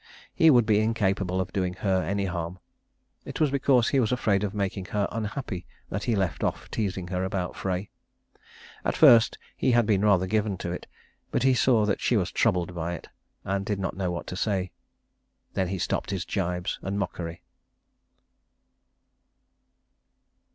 He would be incapable of doing her any harm. It was because he was afraid of making her unhappy that he left off teasing her about Frey. At first he had been rather given to it, but he saw that she was troubled by it, and did not know what to say. Then he stopped his gibes and mockery.